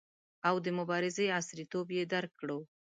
او د مبارزې عصریتوب یې درک کړو.